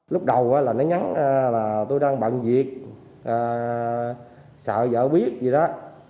lúc đầu là nó nhắn là tôi đang bận việc sợ vợ biết gì đó